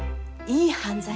いい犯罪？